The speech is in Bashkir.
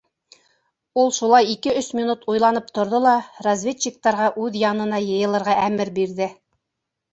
Ул шулай ике-өс минут уйланып торҙо ла, разведчиктарға үҙ янына йыйылырға әмер бирҙе.